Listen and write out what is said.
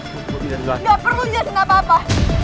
gak perlu dia sih gak apa apa